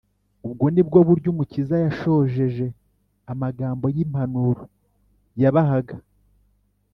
ubwo nibwo buryo umukiza yashojeje amagambo y’impanuro yabahaga